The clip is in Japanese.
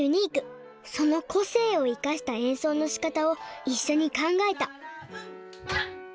その個性を生かした演奏のしかたを一緒に考えた。